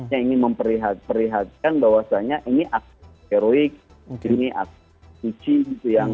yang ingin memperlihatkan bahwasannya ini aksi heroik ini aksi suci gitu ya